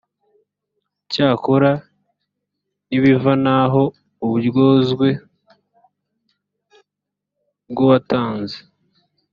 cyakora ntibivanaho uburyozwe bw’uwatanze